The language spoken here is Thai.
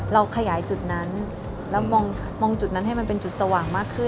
เราขยายจุดนั้นแล้วมองจุดนั้นให้มันเป็นจุดสว่างมากขึ้น